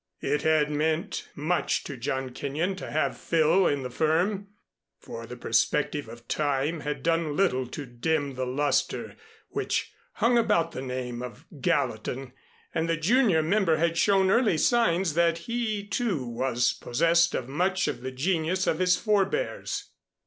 It had meant much to John Kenyon to have Phil in the firm, for the perspective of Time had done little to dim the luster which hung about the name of Gallatin and the junior member had shown early signs that he, too, was possessed of much of the genius of his forebears.